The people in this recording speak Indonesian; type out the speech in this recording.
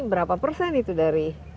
berapa persen itu dari